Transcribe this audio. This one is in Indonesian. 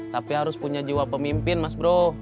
tapi harus punya jiwa pemimpin mas bro